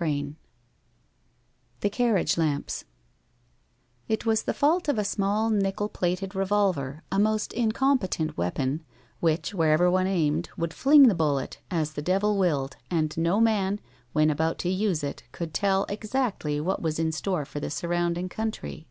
VII THE CARRIAGE LAMPS It was the fault of a small nickel plated revolver, a most incompetent weapon, which, wherever one aimed, would fling the bullet as the devil willed, and no man, when about to use it, could tell exactly what was in store for the surrounding country.